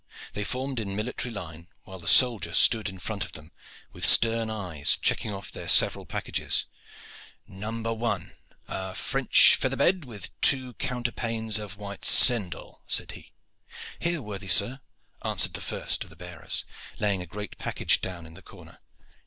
They formed in military line, while the soldier stood in front of them with stern eyes, checking off their several packages. "Number one a French feather bed with the two counter panes of white sendall," said he. "Here, worthy sir," answered the first of the bearers, laying a great package down in the corner.